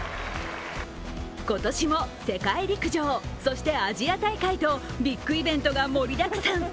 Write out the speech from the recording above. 今年も世界陸上、そしてアジア大会とビッグイベントが盛りだくさん。